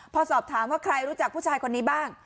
พอสอบถามว่าใครรู้จักผู้ชายคนนี้บ้าง